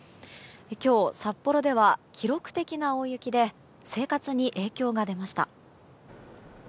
今日、札幌では記録的な大雪で生活に影響が出ました。